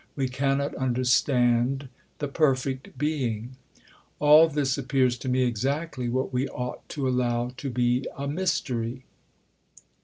We cannot understand the Perfect Being. All this appears to me exactly what we ought to allow to be a mystery."